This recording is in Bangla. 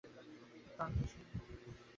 প্রাণপণ সংগ্রামের জন্য আমরা কৃতসঙ্কল্প।